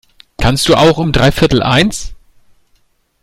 Kannst du auch um dreiviertel eins?